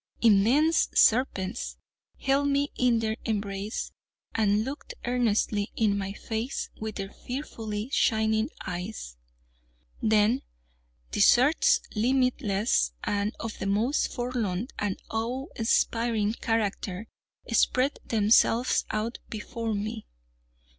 Immense serpents held me in their embrace, and looked earnestly in my face with their fearfully shining eyes. Then deserts, limitless, and of the most forlorn and awe inspiring character, spread themselves out before me.